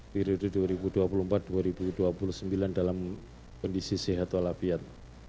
periode dua ribu dua puluh empat dua ribu dua puluh sembilan dalam kondisi sehat walafiat